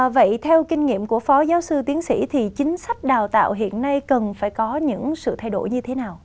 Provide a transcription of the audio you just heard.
vậy theo kinh nghiệm của phó giáo sư tiến sĩ thì chính sách đào tạo hiện nay cần phải có những sự thay đổi như thế nào